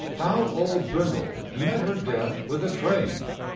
HOW OLD BRINDLE MET HER DEATH WITH A TRAIN.